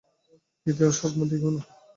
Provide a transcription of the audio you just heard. হৃদয়, আর স্বপ্ন দেখিও না।